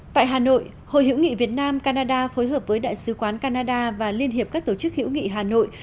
tại hà nội hội hiểu nghị việt nam canada phối hợp với đại sứ quán canada và liên hiệp các tổ chức hữu nghị hà nội